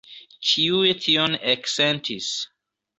Ĉiuj tion eksentis.